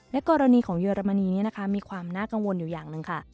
และกรณีของเยอรมนีมีความน่ากังวลอยู่อย่างหนึ่งค่ะ